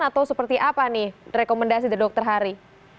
atau seperti apa nih rekomendasi dari dokter hari